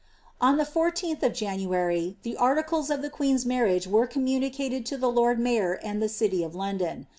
On the I4ih of January, the articles of the queen's marriage were coininuiiicaied lo ihe lord mayor and the city of London.